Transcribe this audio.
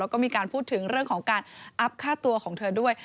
แล้วก็มีการพูดถึงเรื่องของการอัพค่าตัวของเธอด้วย